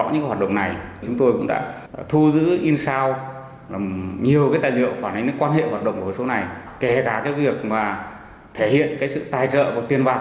nhiều tài liệu phản ánh quan hệ hoạt động của số này kể cả việc thể hiện sự tài trợ và tiền bạc